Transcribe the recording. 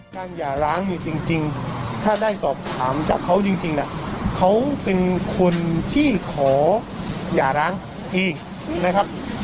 หย่าร้างเนี่ยจริงถ้าได้สอบถามจากเขาจริงเขาเป็นคนที่ขอหย่าร้างเองนะครับ